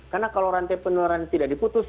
karena kalau rantai penularan tidak diputus